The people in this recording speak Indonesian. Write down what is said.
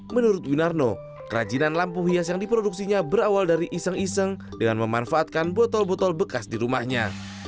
menurut winarno kerajinan lampu hias yang diproduksinya berawal dari iseng iseng dengan memanfaatkan botol botol bekas di rumahnya